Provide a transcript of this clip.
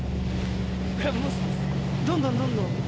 どんどんどんどん。